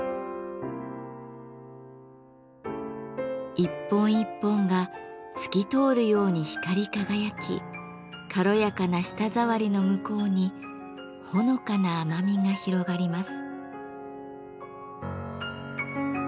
一本一本が透き通るように光り輝き軽やかな舌触りの向こうにほのかな甘みが広がります。